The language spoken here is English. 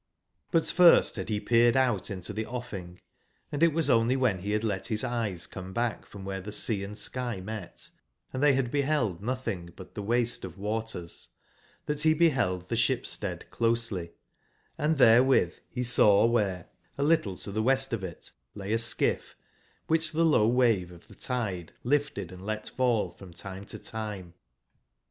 But first had he peered out into the offing, and it was only when he had let his eyes come back from where the sea and 6kymet, and they had beheld nothing but the waste of waters, that he beheld the Ship/stead closely; and therewith he saw where a little to the west of it lay a skifl", which the low wave of the tide lifted and let fall from time to time.